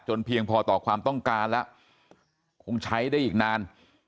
เพียงพอต่อความต้องการแล้วคงใช้ได้อีกนาน